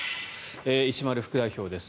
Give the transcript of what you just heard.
石丸副代表です。